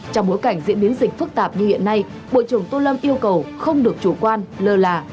trong bối cảnh diễn biến dịch phức tạp như hiện nay bộ trưởng tô lâm yêu cầu không được chủ quan lơ là